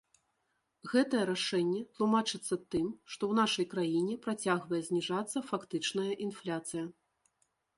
Гэтае рашэнне тлумачыцца тым, што ў нашай краіне працягвае зніжацца фактычная інфляцыя.